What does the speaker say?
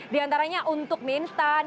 di antaranya untuk mie instan